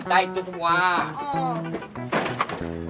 bang jamil benar benar keren